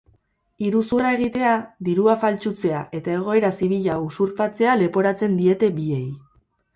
Iruzurra egitea, dirua faltsutzea eta egoera zibila usurpatzea leporatzen diete biei.